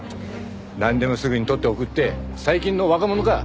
なんでもすぐに撮って送って最近の若者か！